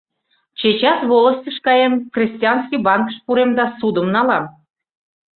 Чечас волостьыш каем, крестьянский банкыш пурем да ссудым налам.